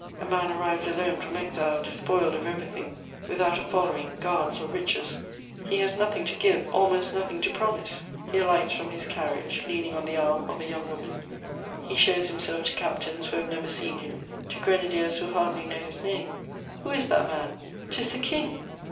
A man arrives alone from exile, despoiled of everything, without a following, guards, or riches; he has nothing to give, almost nothing to promise. He alights from his carriage, leaning on the arm of a young woman; he shows himself to captains who have never seen him, to grenadiers who hardly know his name. Who is that man? Tis the King!